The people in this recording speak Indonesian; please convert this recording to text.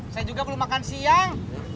saya juga belum makan siang